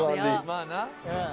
「まあな」